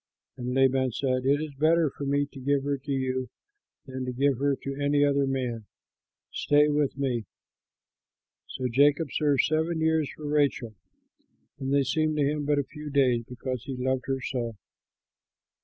And Laban said, "It is better for me to give her to you than to give her to any other man. Stay with me." So Jacob served seven years for Rachel, and they seemed to him but a few days, because he loved her so.